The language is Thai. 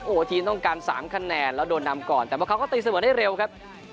โอ้โหทีมต้องการ๓คะแนนแล้วโดนนำก่อนแต่ว่าเขาก็ตีเสมอได้เร็วครับ